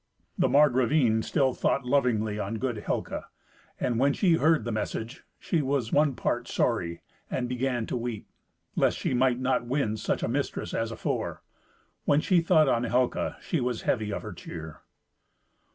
The Margravine still thought lovingly on good Helca, and when she heard the message, she was one part sorry, and began to weep, lest she might not win such a mistress as afore. When she thought on Helca she was heavy of her cheer.